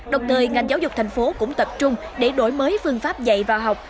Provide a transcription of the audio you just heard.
độc tời ngành giáo dục thành phố cũng tập trung để đổi mới phương pháp dạy vào học